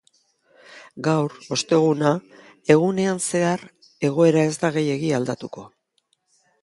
Gaur, osteguna, egunean zehar egoera ez da gehiegi aldatuko.